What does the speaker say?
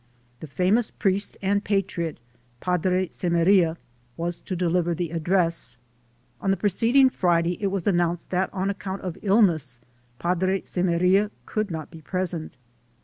The famous priest and patriot, Padre Semeria, was to deliver the ad dress. On the preceding Friday it was announced that on account of illness Padre Semeria could not 318 THE SOUL OF AN IMMIGRANT be present.